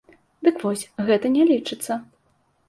Дык вось, гэта не лічыцца.